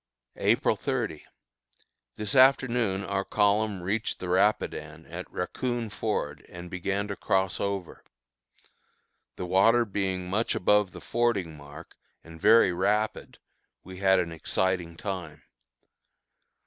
April 30. This afternoon our column reached the Rapidan at Raccoon Ford, and began to cross over. The water being much above the fording mark and very rapid, we had an exciting time.